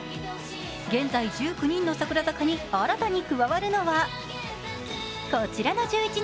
現在１９人の櫻坂に新たに加わるのはこちらの１１人。